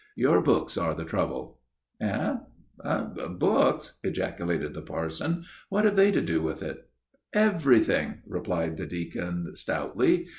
Your books are the trouble." "Books?" ejaculated the parson. "What have they to do with it?" "Everything," replied the deacon stoutly.